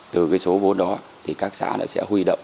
từ số vốn đó các xã sẽ huy động